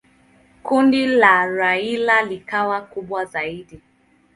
Kundi la Raila likawa kubwa zaidi.